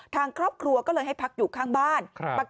ทางครอบครัวก็เลยให้พักอยู่ข้างบ้าน